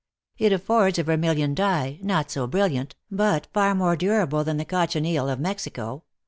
It affords a vermilion dye, not so brilliant, but far more durable than the cochineal of Mexico.